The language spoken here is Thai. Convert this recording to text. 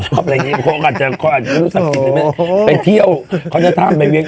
ชอบอะไรอย่างเงี้ยเขาก็อาจจะเขาอัดคิวศักดิ์สิทธิ์ไปเที่ยวเขาจะทามไปเวียง